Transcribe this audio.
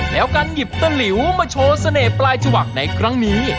แล้วกันหยิบตลิวมาโชว์สเนตรายชะวังในครั้งนี้